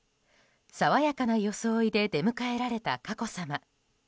爽やかな装いで出迎えられた佳子さま。